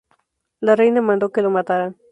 La reina mandó que lo mataran.